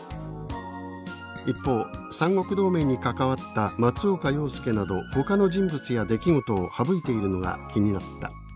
一方「三国同盟に関わった松岡洋右などほかの人物や出来事を省いているのが気になった」